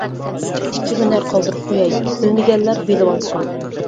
ئىككى ھۈنەر قالدۇرۇپ قوياي، بىلمىگەنلەر بىلىۋالسۇن.